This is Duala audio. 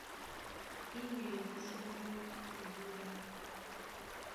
Í nyɛŋgísɛ́ pɛ́ madíɓá.